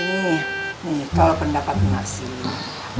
ini nih kalau pendapat mbak sih